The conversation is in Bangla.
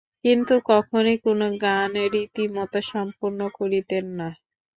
কিন্তু কখনোই কোনো গান রীতিমত সম্পূর্ণ করিতেন না।